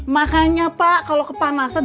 makanya pak kalau kepanasan